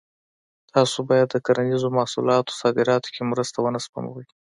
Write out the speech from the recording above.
تاسو باید د کرنیزو محصولاتو صادراتو کې مرسته ونه سپموئ.